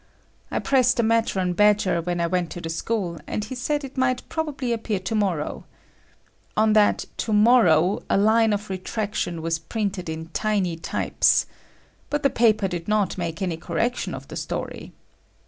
I pressed the matter on Badger when I went to the school, and he said it might probably appear tomorrow. On that "tomorrow" a line of retraction was printed in tiny types. But the paper did not make any correction of the story.